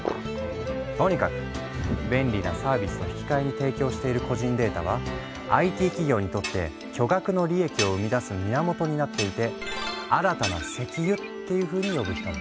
とにかく便利なサービスと引き換えに提供している個人データはＩＴ企業にとって巨額の利益を生み出す源になっていて「新たな石油」っていうふうに呼ぶ人も。